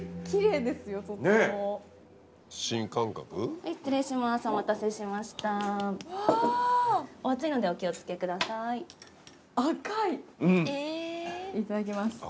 いただきます。